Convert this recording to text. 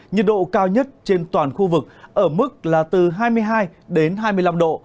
nhiệt độ cao nhất trên toàn khu vực ở mức là từ hai mươi hai đến hai mươi năm độ